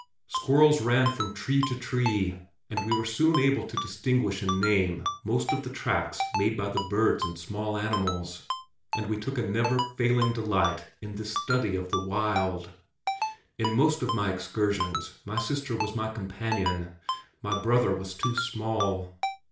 Squirrels ran from tree to tree and we were soon able to distinguish and name most of the tracks made by the birds and small animals, and we took a never failing delight in this study of the wild. In most of my excursions my sister was my companion. My brother was too small.